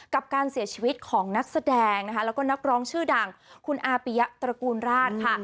กับการเสียชีวิตของนักแสดงนะคะแล้วก็นักร้องชื่อดังคุณอาปิยะตระกูลราชค่ะ